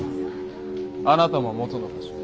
あなたも元の場所へ。